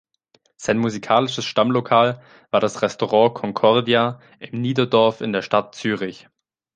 Sein musikalisches Stammlokal war das Restaurant Konkordia im Niederdorf in der Stadt Zürich.